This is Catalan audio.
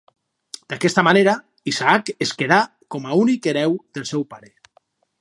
D'aquesta manera, Isaac es quedà com a únic hereu del seu pare.